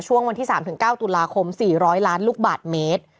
วันที่๓๙ตุลาคม๔๐๐ล้านลูกบาทเมตร